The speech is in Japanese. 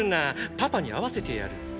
パパに会わせてやる。